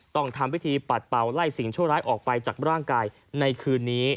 ต้องทำพิธีปัดเป่าไล่สิ่งชั่วร้ายออกไปจากร่างกายในคืนนี้